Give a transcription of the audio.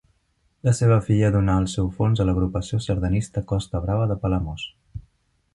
La seva filla donà el seu fons a l'Agrupació Sardanista Costa Brava de Palamós.